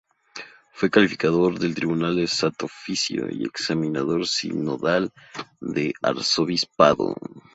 Fue Calificador del Tribunal del Santo Oficio y examinador sinodal del Arzobispado.